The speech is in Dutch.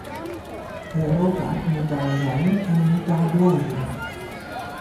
Europa moet daar zijn en moet daar blijven.